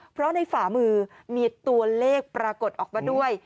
เพราะในฝ่ามือมีตัวเลขปรากฏออกมาด้วย